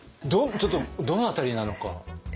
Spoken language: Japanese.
ちょっとどの辺りなのか。